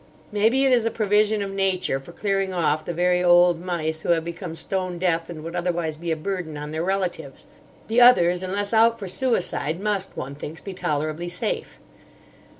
Maybe it is a provision of nature for clearing off the very old mice who have become stone deaf and would otherwise be a burden on their relatives. The others, unless out for suicide, must, one thinks, be tolerably safe.